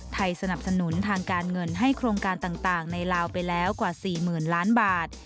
สนับสนุนทางการเงินให้โครงการต่างในลาวไปแล้วกว่า๔๐๐๐ล้านบาท